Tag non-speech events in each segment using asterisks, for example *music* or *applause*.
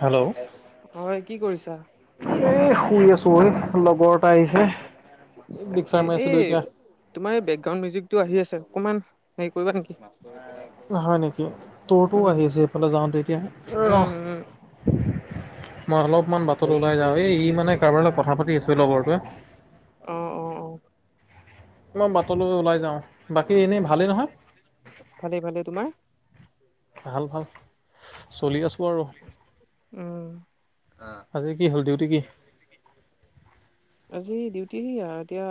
Hello. হয় কি কৰিছা? এ, শুই আছোঁ মই, লগৰ পাই আহিছে, তাকে দিকচাৰ মাৰিছোঁ এই দুইটা। তোমাৰ এই বেকগ্ৰাউড মিউজিকটো আহি আছে, অকনমান হেৰি কৰিবা নেকি। নহয় নেকি, উম তোৰটোও আহি আছে এইফালে যাওঁতে এতিয়া। উম ৰহ। উম মই অলপমান বাটলে ওলাই যাওঁ, এই ই মানে কাৰোবাৰ লগত কথা পাতি আছে লগৰটোৱে। অ', অ', অ'। মই বাটলৈ ওলাই যাওঁ। বাকী এনেই ভালেই নহয়? ভালে ভালে। তোমাৰ? ভাল ভাল, চলি আছোঁ। আৰু উম। আজি কি হ'ল, ডিউটি কি? আজি ডিউটি এতিয়া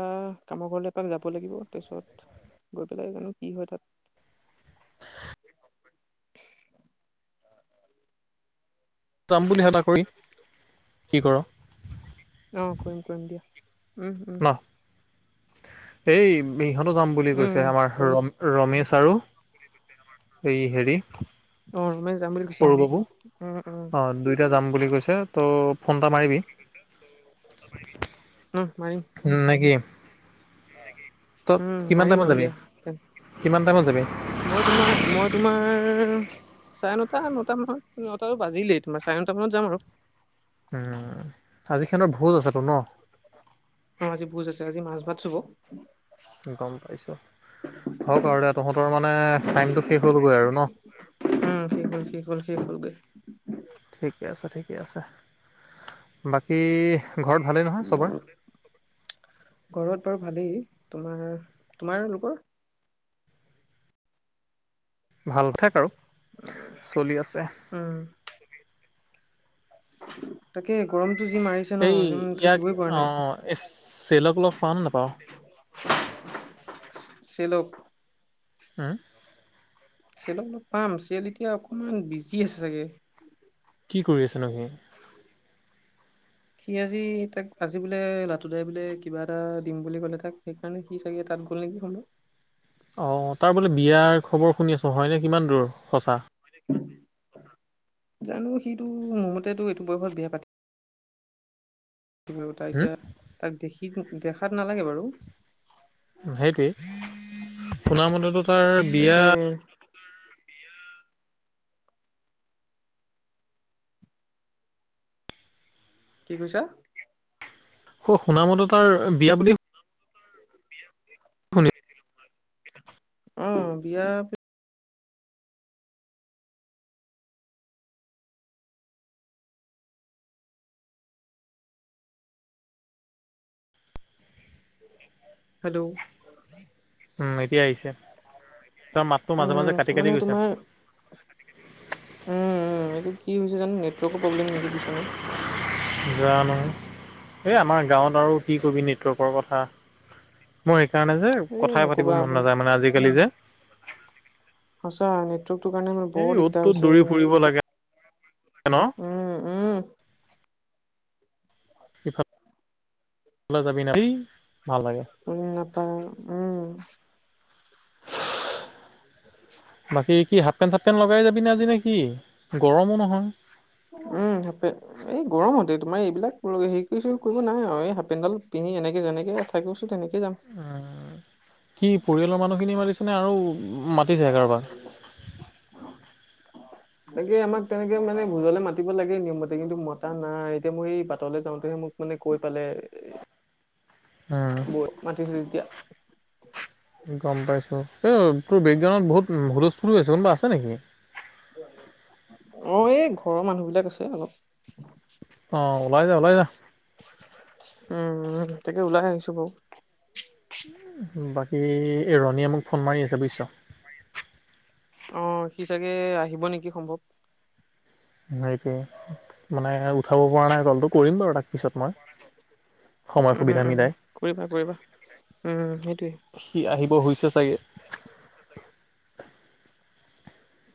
কামৰ ঘৰলেপা যাব লাগিব তাৰপিছত গৈ পেলাই জানো কি হয় তাত। যাম বুলি এটা কৰি, কি কৰ। অ' কৰিম কৰিম দিয়া। উম। উম ন এই ইহঁতো যাম বুলি উম কৈছে, আমাৰ কৰিম ৰম-ৰমেশ আৰু এই হেৰি, অ ৰমেশ যাম বুলি কৈছে ন সৰু বাবু উম উম আ, দুই এতিয়া যাম বুলি কৈছে ত' ফোন এটা মাৰিবি। উম, মাৰিম। উম, নেকি? তই উম কিমান মাৰিম টাইমত বাৰু যাবি? দিয়া কিমান টাইমত যাবি? মই তোমাৰ, মই তোমাৰ চাৰে নটা নটা মানত, নটাতো বাজিলেই তোমাৰ, চাৰে নটা মানত যাম আৰু। উম, আজি খেনো ভোজ আছেতো ন'? অ' আজি ভোজ আছে, আজি মাছ ভাত চুব। গম পাইছোঁ। হওক আৰু দে, তহঁতৰ মানে টাইমটো শেষ হ'লগৈ আৰু ন'? ঠিক হল, ঠিক হল গৈ। ঠিকে আছে, ঠিকে আছে, বাকী ঘৰত ভালেই নহয় চবৰে? ঘৰত বাৰু ভালেই, তোমাৰ, তোমাৰ লোকৰ? ভাল থেক আৰু। চলি *unintelligible* আছে উম, তাকে গৰমতটো যি মাৰি এই, ইয়াক অ' চেলক লগ পাম না বাৰু। *unintelligible* চিল হয়। চেলক অলপ পাম, চেল এতিয়া অকণমান বিজি আছে চাগে। কি কৰি আছেনো হি? সি আজি তাক আজি বোলে লাটো দাই বোলে কিবা এটা দিম বুলি ক'লে তাক সণে কি চাগে তাত গ'ল নেকি শু অ' তাৰ বোলে বিয়াৰ খবৰ শুনি আছোঁ হয়নে কিমান দূৰ, সঁচা। জানো, সিটো মোৰ মততটো এইটো বয়সত বিয়া পাতি ত হুম, এতিয়া তাক, দেখি দেখাত নালাগে বাৰু। সেইটোৱে, শুনামতেতো তাৰ বিয়া তাকে কি কৈছা? আ সুনামতে তাৰ বিয়া বুলি শুনি অ' বিয়া হেল্ল' উম এতিয়া আহিছে। তাৰ মাতটো মাজে মাজে কাটি উম, কাটি মানে গৈছে তোমাৰ উম উম, এইটো কি হৈছে জানো নেটৱৰ্কৰ প্ৰব্লেম নেকি পিছানে। জানো, এই আমাৰ গাঁৱত আৰু কি কবি নেটৱৰ্কৰ কথা। মই, সেইকাৰণে যে এ কথাই নক'বা পাতিব মন বহুত নাযায় মানে আজিকালি যে। সচা নেটৱৰ্কটো কাৰণে মানে এই বহুত অ'ত দিগদাৰ হৈছে। হেল্ল' উম, উম, ইফালে যাবি নি, *unintelligible* ভাল লাগে। উম নাপাই। বাকী কি হাফ পেণ্ট চফ পেণ্ট লগাই যাবিনে আজি, নেকি গৰমো নহয়। উম, হাফ পেণ্ট। এই গৰম হতে তোমাৰ এইবিলাক হেৰি কৰিছো কৰিব নাই আৰু এই হােনডাল পিন্ধি এনেকে যেনেকে থাকিবছো, তেনেকে যাম। কি পৰিয়ালৰ মানুহখিনি মাতিছেনে আৰু মা *unintelligible* এনেকে আমাক তেনেকে মানে ভোজলে মাতিব লাগে নিয়ম মতে, কিন্তু মতা নাই এতিয়া মই এই বাটলৈ যাওঁতেহে, মোক মানে কৈ পালে, উম, বৈ মাতিছো যেতিয়া। গম পাইছোঁ, এই তোৰ বেকগ্ৰাউণ্ডত বহুত হুলস্থ ফুল আছে, কোনোবা আছে নেকি? মই এই ঘৰৰ মানুহ বিলাক আছে, অলপ অ' ওলাই যা, ওলাই যা। উম উ তাকে, ওলাই আহিছো বাৰু। বাকী ৰণীয়ে মোক ফোন মাৰি আছে বুজিছ। তোৰ সি চাগে আহিব নেকি, সম্ভৱ। সে মানে উঠাব পৰা নাই কলটো কৰিম বাৰু তাক পিছত। মই সময় উম সুবিধা উম, মিলাই কৰিবা কৰিবা, উম সেইটোয়ে। সি আহিব হৈছে চাগে।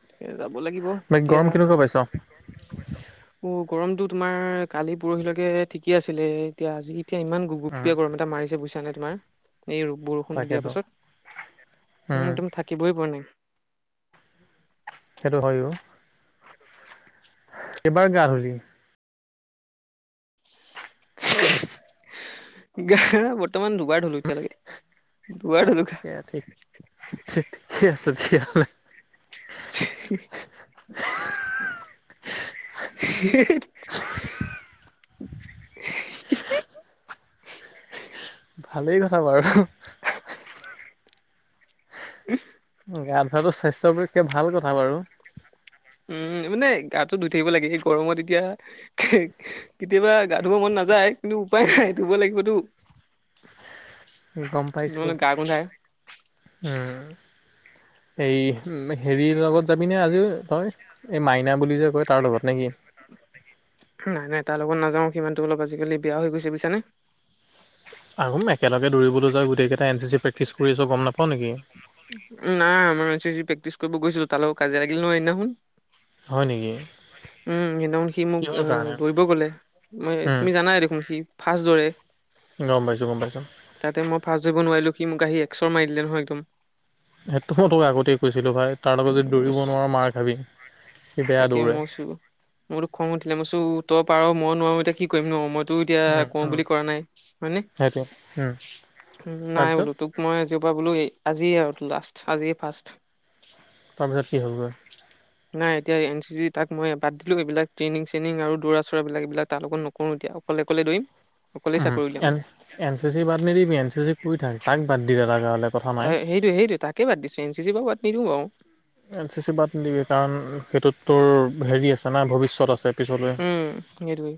তে যাব লাগিব, বাকী এতিয়া গৰম কেনেকুৱা পাইছ অ' গৰমতটো তোমাৰ কালি পৰহিলৈকে ঠিকে আছিলে, এতিয়া আজি এতিয়া ইমান গ উম গোপীয়া গৰম এটা মাৰিছে বুইছা নাই তোমাৰ, এই ব ফোনটো দিয়াৰ তাকেতো পাছত, উম, একদম থাকিবই পৰা নাই। সেইটো হয় অ'। কেইবাৰ গা ধূলি? গা বৰ্তমান দুবাৰ ধুলোঁ এতিয়ালৈকে। দুবাৰ ধুলোঁ গা। *inaudible* তাকে ঠিক ঠিকে আছে তেতিয়াহ'লে *unintelligible* ভালেই কথা বাৰু। *unintelligible* গা ধোৱাটো স্বাস্থ্যৰ পক্ষে ভাল কথা বাৰু। উম, মানে গাটো ধুই থাকিব লাগে এই গৰমত এতিয়া। কেতিয়াবা গা ধুব মন নাযায় কিন্তু উপায় নাই ধুব লাগিবতো। গম পাইছোঁ, নহ'লে গা গোন্ধাই। উম। এই হেৰিৰ লগত যাবিনে আজি তই? এই মাইনা বুলি যে কয় তাৰ লগত নে কি? নাই নাই তাৰ লগত নাযাও, সি মানুহটো অলপ আজিকালি বেয়া হৈ গৈছে বুজিছানে? আহোঁ একেলগে দৌৰিলৈ যাই গোটেইকেইটা এন চি প্ৰেক্টিছ কৰিছো গম নাপওঁ নেকি? নাই আমাৰ এন চি চি প্ৰেক্টিছ কৰিব গৈছিলো, তাৰ কাজিয়া লাগিল নহয় সিদিনাখন। হয় নেকি? উম, সেইদিনাখন সি মোক কিহৰ কাৰণে দৌৰিব গ'লে। উম, তুমি জানাই দেখোন সি ফাষ্ট দৌৰে। গম পাইছোঁ গম পাইছোঁ। তাতে মই ফাষ্ট যাব নোৱাৰিলো, সি মোক আহি এক্সৰ মাৰি দিলে নয় একদম। সেইটোতো মই তোক আগতেই কৈছিলোঁ ভাই তাৰ লগত যদি দৌৰিব নোৱাৰ মাৰ খাবি। সি বেয়া তাকে দৌৰে মইচো, মোৰতো খং উঠিলে মইচো তই পাৰ মই নোৱাৰো তাক। কি কৰিম ন' মইতো এতিয়া উম কওঁ উম বুলি কৰা নাই হয়নে? সেইটোৱে উম নাই তাৰপিছত বোলো তোক মই আজিৰপৰা বোলো, আজিযয়ে আৰু লাষ্ট, আজিয়ে ফাৰ্ষ্ট। তাৰপিছত কি হ'বগৈ? নাই। এতিয়া এন চি চি তাক মই বাদ দিলোঁ এইবিলাক ট্ৰেইনিং চেইনিং আৰু দৌৰা চৰাবিলাক, এইবিলাক তাৰ লগত নকৰোঁ এতিয়া, অকলে দৌৰিম। অকলেই উম, চাকৰি উলিয়াম এন এন চি চি বাদ নিদিবি, এন চি চি কৰি থাক, তাক বাদ দি দৰকাৰ হ'লে কথা নাই। সেইটোয়ে তাকে বাদ দিছোঁ, এন চি চি পৰা বাদ নিদিওঁ বাৰু। এন চি চি বাদ নিদিবি কাৰণ সেইটোত তোৰ হেৰি আছে না ভৱিষ্যত আছে। পিছলৈ উম, সেইটোৱেই।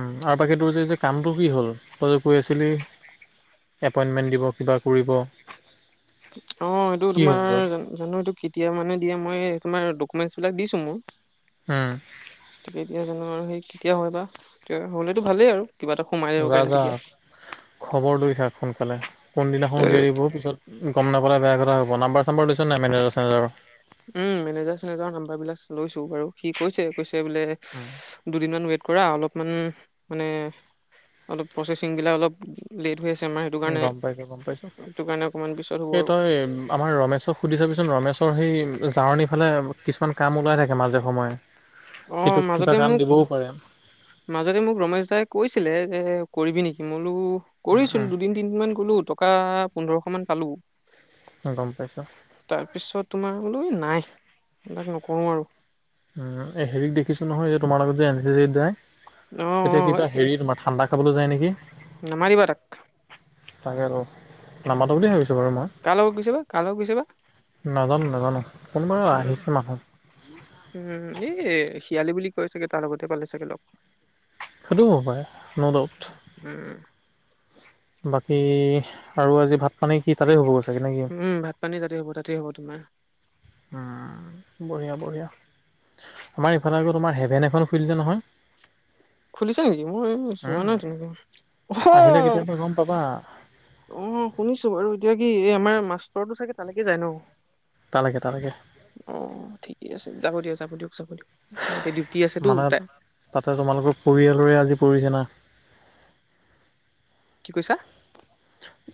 উম, আৰু বাকী তোৰ কামটো যে কামটো কি হ'ল তই যে কৰি আছিলি? এপইণ্টমেণ্ট দিব, কিবা কৰিব। অ' এইটো কি তোমাৰ হ'লগৈ জানো এইটো কেতিয়া মানে দিয়ে, মই তোমাৰ ডকুমেণ্টছবিলাক দিছোঁ মোৰ। হুম। কেতিয়া জানো আৰু সেই কেতিয়া হয় বা তে হ'লেতো ভালেই আৰু। কিবা এটা সোমাই যাব য পাৰিম যা তেতিয়া খবৰ লৈ থাাক সোনকালে, কোনদিনাখন উলিয়াই দিব পিছত গম নাপাললে বেয়া কথা হ'ব, নাম্বাৰ চাম্বাৰ লৈছ নাই মেনেজাৰ চেনেজাৰৰ? উম, মেনেজাৰ চেনেজাৰৰ নাম্বাৰবিলাক লৈছোঁ বাৰু, সি কৈছে কৈছে বোলে উম। দুদিনমান ৱেট কৰা, অলপমান মানে অলপ প্ৰচেচিংবিলাক অলপ লেট হৈ আছে। ছে আমাৰ সেইটো কাৰণে গম পাইছোঁ গম পাইছোঁ সেইটো কাৰণে অকমান পিছত হ'ব এই আৰু। তই আমাৰ ৰমেশক সুধি চাবিচোন ৰমেশৰ সেই জাৰণী ফালে কিছুমান কাম ওলাই থাকে মাজে সময়ে। অ' সিটোক কিবা মাজতে কাম মোক দিবও পাৰে মাজতে মোক ৰমেশ দাই কৈছিলে যে, কৰিবি নেকি, মই বোলো কৰিছিলো দুদিন মান গ'লো টকা পোন্ধৰশ মান পালো। গম পাইছো। তাৰ পিছত তোমাৰ বোলো এই নাই, এইবিলাক নকৰো আৰু। উম, এই হেৰীক দেখিছোঁ নহয়, এই তোমাৰ লগত যে, এন চি চি যায়। অঁ'। এ কিবা হেৰি তোমাৰ ঠাণ্ডা খাবলৈ যায় নেকি? নামাতিবা তাক। তাকেটো নামাটো বুলি ভাবিছোঁ বাৰু মই। কাৰ লগত *unintelligible* গৈছে বা? নাজানো নাজানো, কোনবা উম, আহিছে মানুহ। উম, এই শিয়ালি বুলি কয় চাগে, তাৰ লগতে পালে চাগে ল'গ। সেইটোও হ'ব পাৰে ন' ডাউট। উম, বাকী আৰু আজি ভাত পানী কি তাতে হ'বগৈ চাগে, নে কি? *unintelligible* পানি তাতে হ'ব তাতে হ'ব তোমাৰ। উম, বঢ়িয়া বঢ়িয়া, আমাৰ এইফালে আকৌ তোমাৰ হেভেন এখন খুলিলে নহয়। খুলিছো নেকি মই যোৱা উম, নাই তেনেকে আহিলে আহ। *unintelligible* অ', শুনিছো বাৰু, এতিয়া কি এই আমাৰ মাষ্টৰটো চাগে তালৈকে যায় ন? তালকে তালকে। অ', ঠিকে আছে যাব দিয়ক, যাব দিয়ক, যাব দিয় এতিয়া ডিউটি আছেতো মানে তাৰ। তাতে তোমালোকৰ পৰিয়ালৰে আজি পৰিছে না। কি কৈছা?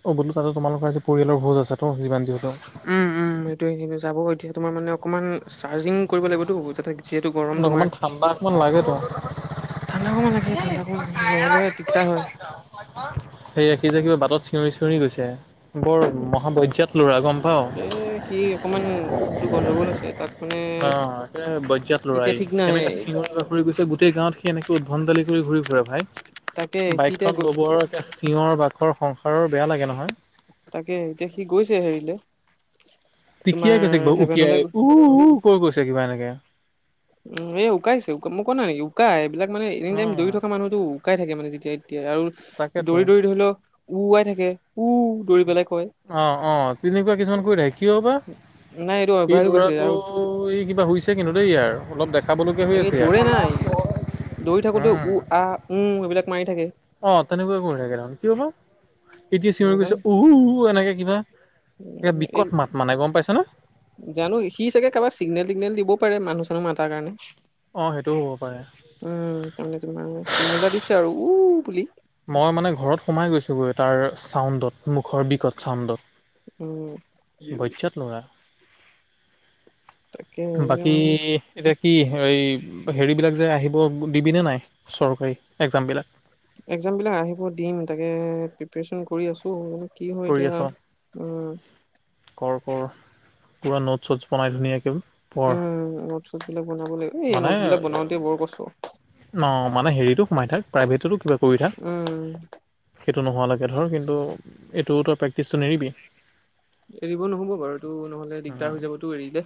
অ', বোলো তাতে তোমালোকৰ আজি পৰিয়ালৰ ভোজ আছে তো যিমান যি হলেও। উম, উম, সেইটোয়ে সেই যাব এতিয়া তোমাৰ মানে অকমান চাৰ্জিং কৰিব লাগিবতো যাতে যিহেতু গৰম তোমাৰ অকমান ঠাণ্ডা অকমান লাগেতো। ঠাণ্ডা অকমান লাগে ঠাণ্ডা অকমান লাগে নহ'লে দিগদাৰ হয় *unintelligible* সেয়া সি যে, কিবা বাটত চিঞৰি চিঞৰি গৈছে বৰ মহাবজ্যাত ল'ৰা গম পাৱ। এ সি অকমান মানুহটো গণ্ডগোল আছে তাক মানে অ', এতিয়া ঠিক নাই। ঘুৰি গৈছে গোটেই গাঁৱত সি এনেকে উদ্ভণ্ দালি কৰি ঘূৰি ফুৰে ভাই, তাকে সি এতিয়া বাইকখন ল'ব আৰু একে চিয়ৰ বাখৰ সংসাৰৰ বেয়া লাগে নহয়। তাকে এতিয়া সি গৈছে হেৰিলে। তোমাৰ টিকিয়াই গৈছে কিবা, হেভেনলৈ উকিয়াই উ, উ, কৈ গৈছে কিবা এনেকে। উম, উকাইছে উকা মই কোৱা নেকি উকাই এইবিলাক মানে এনি টাইম দৌৰি অ', থকা মানুহ টো উকাই থাকে মানে যেতিয়াাই তেতিয়া আৰু তাকেতো দৌৰি দৌৰি ধৰি লও উওৱাই থাকে, উ দৌৰি পেলাই কয়। অঁ', অঁ', তেনেকুৱা কিছুমান কৰি থাকে কিয় বা, নাই এইটো সি অভ্যাস হৈ গৈছে ল'ৰাটো আৰু ই কিবা হৈছে কিন্তু দেই ইয়াৰ অলপ দেখাবলগীয়া হৈ তাকে আছে ইয়াৰ। দৌৰে নাই দৌৰি থাকোঁতে উম, উ, আ, উম, এইবিলাক মাৰি থাকে। অ', তেনেকুৱা কৰি থাকে দেখোন কিয় বা, এতিয়া চিঞৰি নাজানো গৈছে উ, উ, এনেকে কিবা। একে উম এই বিকট মাত মানে গম পাইছ নে? জানো সি চাগৈ কাৰোবাক চিগনেল টিগনেল দিব পাৰে মানুহ চানুহ মতাৰ কাৰণে। অঁ', সেইটোও হ'ব পাৰে। উম, তাৰমানে তোমাৰ চিগনেল এটা দিছে আৰু উ, বুলি। মই মানে ঘৰত সোমাই গৈছোঁগৈ তাৰ চাউণ্ডত। মুখৰ বিকট চাউণ্ডত, উম বইজাত ল'ৰা। তাকে এই বাকী মানে এতিয়া কি এই হেৰিবিলাক যে, আহিব দিবিনে নাই, চৰকাৰী এক্জামবিলাক? এক্সামবিলাক আহিব দিম তাকে প্ৰেপ্ৰাৰেছন কৰি আছোঁ। কি হয় কৰি এতিয়া আছ উম। কৰ, কৰ পুৰা নোটছ চটছ বনাই ধুনীয়াকৈ। পঢ় উম নোট চটচ বিলাক বনাব লাগিব এই নোটচ বিলাক বনাওঁতে বৰ কষ্ট। নহ মানে হেৰিটো সোমাই থাক প্ৰাইভেটতো কিবা কৰি থাক। উম সেইটো নোহোৱালৈকে ধৰ কিন্তু এইটোও তই প্ৰেক্টিচটো নেৰিবি। এৰিব নহ'ব বাৰু ত' নহ'লে দিগদাৰ হৈ যাবতো এৰিলে।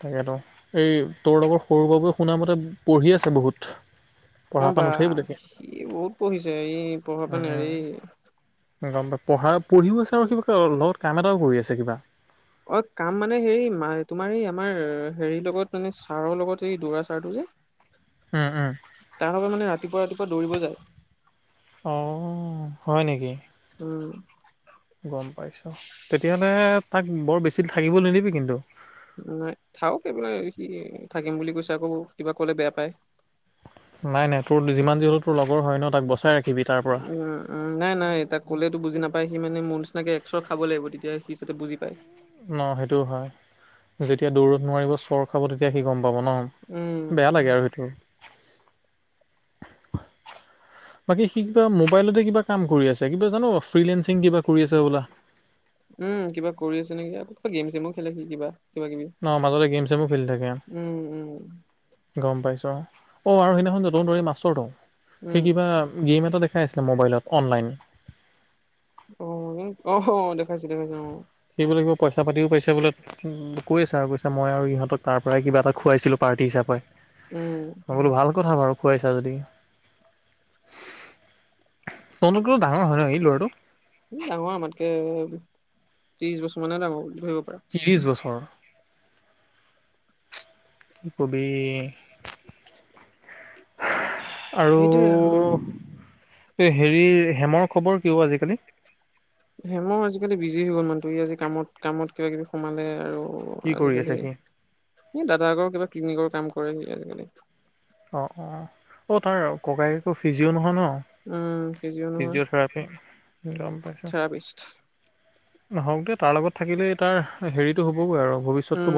তাকেতো এই তোৰ লগৰ সৰু বাবুয়ে শুনামতে পঢ়ি আছে বহুত। অ পঢ়াৰ পৰা বা নুঠেই বোলে সি বহুত পঢ়িছে ই পঢ়া পৰা নেৰে। সি গম *unintelligible* পঢ়া পঢ়িও আছে আৰু কিবা লগত কাম এটাও কৰি আছে কিবা। অ কাম মানে হেৰি মা তোমাৰ এই আমাৰ হেৰিৰ লগত মানে ছাৰৰ লগত এই দৌৰা ছাৰটো যে। তাৰে মানে ৰাতিপুৱা, ৰাতিপুৱা দৌৰিব যায়। অ হয় নেকি। উম। গম পাইছোঁ তেতিয়াহ'লে তাক বৰ বেছি থাকিব নিদিবি কিন্তু। নাই থাওক এইব *unintelligible* সি থাকিম বুলি কৈছে আকৌ কিবা ক'লে বেয়া পায়। নাই, নাই তোৰ যিমান যি হ'লে তোৰ লগৰ হয় নহ তাক বচাই ৰাখিবি তাৰ পৰা। উম উম নাই, নাই তাক ক'লেতো বুজি নাপায় সি মানে মোৰ নিচিনাকে এক চোৰ খাব লাগিব তেতিয়া সি যাতে বুজি পায়। নহ সেইটোও হয় যেতিয়া দৌৰত নোৱাৰিব চৰ খাব তেতিয়া সি গম পাব নহ। উম বেয়া লাগে আৰু সেইটো। বাকী সি কিবা মোবাইলতে কিবা কাম কৰি আছে কিবা জানো ফ্ৰীলেঞ্চিং কিবা কৰি আছে ব'লা। উম কিবা কৰি আছে নেকি গেম ছেমো খেলে সি কিবা। কিবা কিবি নহ মাজতে গেম চেমো খেলি থাকে। উম উম গম পাইছোঁ আৰু অ' আৰু সেইদিনাখন *unintelligible* মাষ্টৰটো উম সেই কিবা গেম এটা দেখ কাই আছিলে মোবাইলত অনলাইন। অ, অ দেখাইছে, দেখাইছে অ। সেইবোলে কিবা পইচা পাতিও পাইছে বোলে কৈ আছে আৰু কৈছে মই আৰু ইহঁতক তাৰ পৰাই কিবা এটা খুৱাইছিলোঁ। পাৰ্টি হিচাপে উম মই বোলো ভাল কথা বাৰু খুৱাইছা যদি। তহঁতকৈ ডাঙৰ হয় নহ সেই ল'ৰাটো। ডাঙৰ আমাতকে ত্ৰিশ বছৰ মানহে ডাঙৰ ধৰিব পাৰা। ত্ৰিছ বছৰ। কবি। আৰু। এই হেৰিৰ হেমৰ খবৰ কি অ আজিকালি। হেমো আজিকালি বিজি হৈ গ'ল মানুহটো ই আজি কামত, কামত কিবা কিবি সোমালে আৰু। কি কৰি আজিকালি আছে সি দাদায়েকৰ কিবা ক্লিনিকৰ কাম কৰে সি আজিকালি। অ, অ, অ তাৰ ককায়েক আকো ফিজিঅ' নহয় নহ। উম কেজিঅ নহয় ফিজঅ'থেৰাপী গম পাইছোঁ। থেৰাপিষ্ট নহওক দে তাৰ লগত থাকিলে তাৰ হেৰিটো হ'বগৈ আৰু উম ভৱিষ্যতটো বনি